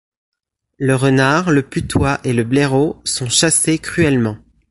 Le renard, le putois et le blaireau sont chassés cruellement.